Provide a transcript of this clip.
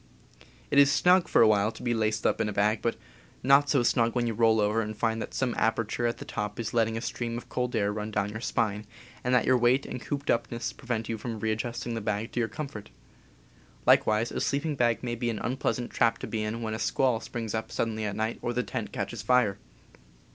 It is snug, for a while, to be laced up in a bag, but not so snug when you roll over and find that some aperture at the top is letting a stream of cold air run down your spine, and that your weight and cooped up ness prevent you from readjusting the bag to your com fort. Likewise a sleeping bag may be an unpleasant trap to be in when a squall springs up suddenly at night, or the tent catches fire.